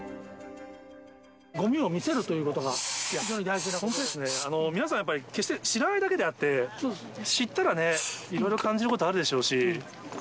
ごみを見せるということが大本当ですね、皆さん決して知らないだけであって、知ったらね、いろいろ感じることあるでしょうし。